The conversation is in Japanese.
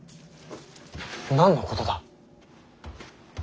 何のことだ。